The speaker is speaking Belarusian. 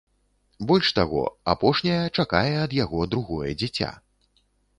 Больш таго, апошняя чакае ад яго другое дзіця.